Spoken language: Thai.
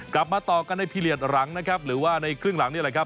กลับมาต่อกันในพีเรียสหลังนะครับหรือว่าในครึ่งหลังนี่แหละครับ